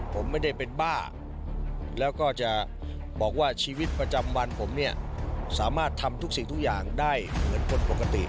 ผมไม่ได้เป็นบ้าแล้วก็จะบอกว่าชีวิตประจำวันผมเนี่ยสามารถทำทุกสิ่งทุกอย่างได้เหมือนคนปกติ